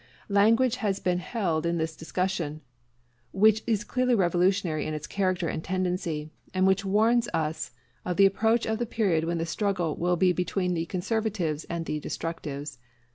Language has been held in this discussion which is clearly revolutionary in its character and tendency, and which warns us of the approach of the period when the struggle will be between the conservatives and the destructives.